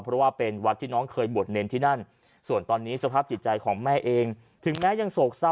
เพราะว่าเป็นวัดที่น้องเคยบวชเนรที่นั่นส่วนตอนนี้สภาพจิตใจของแม่เองถึงแม้ยังโศกเศร้า